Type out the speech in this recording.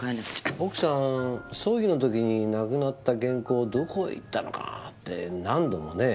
奥さん葬儀の時になくなった原稿どこ行ったのかなぁ？って何度もねぇ。